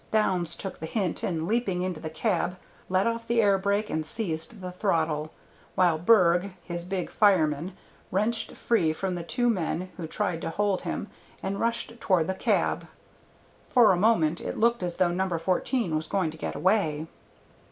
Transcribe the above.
Downs took the hint and, leaping into the cab, let off the air brake and seized the throttle, while Berg, his big fireman, wrenched free from the two men who tried to hold him and rushed toward the cab. For a moment it looked as though No. 14 was going to get away.